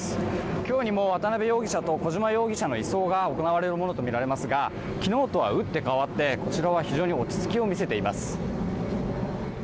今日にも渡辺容疑者と小島容疑者の移送が行われるとみられますが昨日とは打って変わって、こちらは非常に落ち着きを見せています。